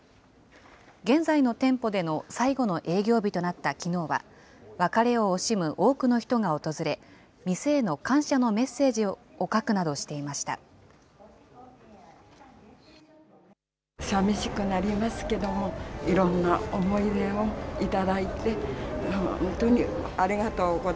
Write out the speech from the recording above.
現在の店舗での最後の営業日となったきのうは、別れを惜しむ多くの人が訪れ、店への感謝のメッセージを書くなどしていました。